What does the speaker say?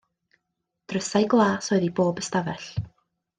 Drysau glas oedd i bob ystafell.